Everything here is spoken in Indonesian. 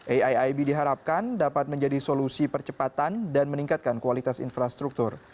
aiib diharapkan dapat menjadi solusi percepatan dan meningkatkan kualitas infrastruktur